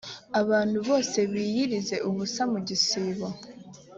abantu bose biyirize ubusa mugisibo.